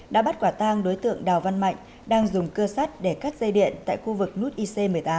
đã bắt quả tang đối tượng đào văn mạnh đang dùng cơ sắt để cắt dây điện tại khu vực nút ic một mươi tám